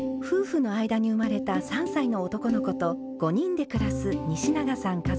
夫婦の間に生まれた３歳の男の子と５人で暮らす西永さん